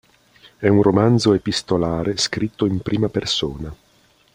È un romanzo epistolare scritto in prima persona.